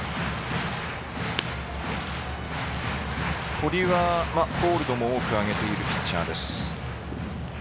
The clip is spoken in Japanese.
堀はホールドも多く挙げているピッチャーです。